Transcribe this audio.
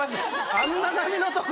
あんな波のとこ。